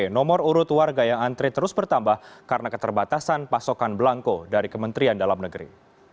nomor urut warga yang antre terus bertambah karena keterbatasan pasokan belangko dari kementerian dalam negeri